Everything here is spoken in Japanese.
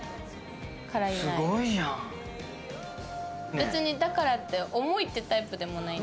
別にだからって重いってタイプでもないんですよ。